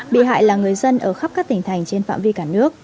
bị hại là người dân ở khắp các tỉnh thành trên phạm vi cả nước